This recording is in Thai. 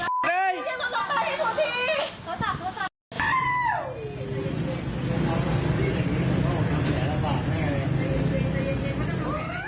กักยังทาน